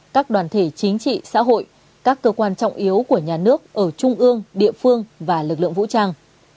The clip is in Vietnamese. các đoàn thể chính trị xã hội các cơ quan trọng yếu của nhà nước ở trung ương địa phương và lực lượng vũ trang